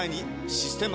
「システマ」